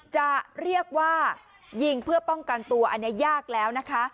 จะเรียกว่ายิงเพื่อป้องกันตัวอันนี้ยากแล้วนะคะ